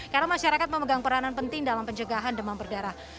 karena masyarakat memegang peranan penting dalam pencegahan demam berdarah